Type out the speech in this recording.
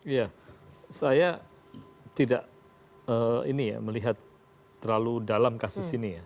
ya saya tidak melihat terlalu dalam kasus ini ya